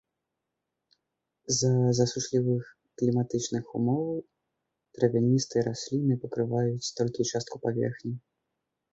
З-за засушлівых кліматычных умоў травяністыя расліны пакрываюць толькі частку паверхні.